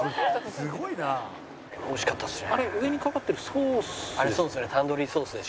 「すごいなあ」美味しかったですね。